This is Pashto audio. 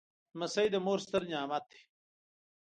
لمسی د مور ستر نعمت دی.